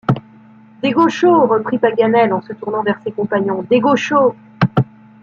Des Gauchos ! reprit Paganel, en se tournant vers ses compagnons, des Gauchos !